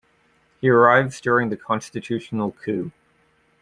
He arrives during the Constitutional coup.